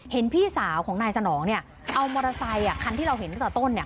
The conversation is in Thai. เห็นพี่สาวของนายสนองเอามอเตอร์ไซคันที่เราเห็นตั้งแต่ต้น